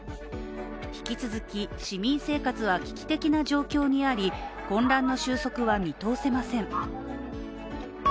引き続き市民生活は危機的な状況にあり混乱の収束は見通せません。